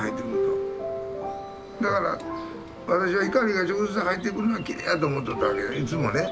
だから私は光が直接入ってくるのがきれいやと思っとったわけやねいつもね。